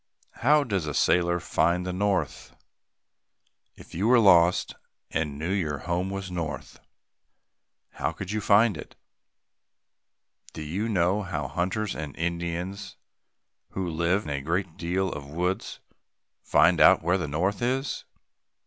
How does a sailor find the north? If you were lost and knew your home was north, how would you find it? Do you know how hunters and Indians who live a great deal in the woods find out where the north is?